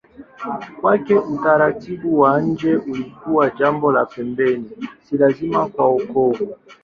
Kwake utaratibu wa nje ulikuwa jambo la pembeni, si lazima kwa wokovu.